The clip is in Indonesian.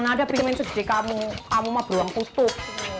mana ada vitamin sedih kamu kamu mah belum kutub